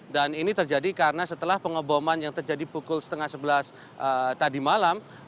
dan ini terjadi karena setelah pengoboman yang terjadi pukul setengah sebelas tadi malam